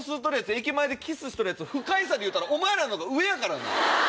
駅前でキスしとるヤツ不快さでいうたらお前らのほうが上やからな。